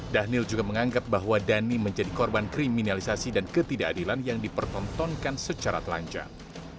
dhanil juga menganggap bahwa dhani menjadi korban kriminalisasi dan ketidakadilan yang dipertontonkan secara telanjang